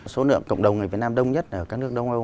số lượng cộng đồng người việt nam đông nhất ở các nước đông âu